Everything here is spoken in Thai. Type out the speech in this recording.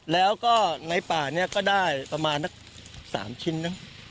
แล้วก็ในป่านี้ก็ได้ประมาณสัก๓ชิ้นนะ